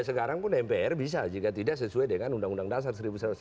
sekarang pun mpr bisa jika tidak sesuai dengan undang undang dasar seribu sembilan ratus empat puluh